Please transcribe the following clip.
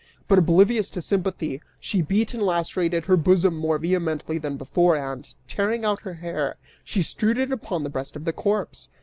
But oblivious to sympathy, she beat and lacerated her bosom more vehemently than before and, tearing out her hair, she strewed it upon the breast of the corpse.